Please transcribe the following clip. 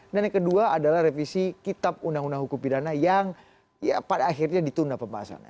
dan yang kedua adalah revisi kitab undang undang hukum pidana yang pada akhirnya ditunda pembahasannya